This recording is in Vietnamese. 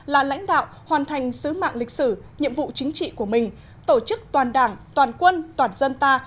là lãnh đạo hoàn thành sứ mạng lịch sử nhiệm vụ chính trị của mình tổ chức toàn đảng toàn quân toàn dân ta